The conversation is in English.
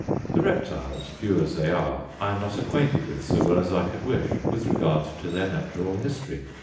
The reptiles, few as they are, I am not acquainted with, so well as I could wish, with regard to their natural history.